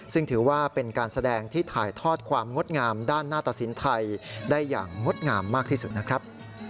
ซึ่งถือว่าเป็นการแสดงที่ถ่ายทอดความงดงามด้านหน้าตสินไทยได้อย่างงดงามมากที่สุดนะครับ